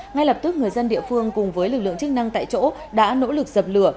ngay lập tức người dân địa phương cùng với lực lượng chức năng tại chỗ đã nỗ lực dập lửa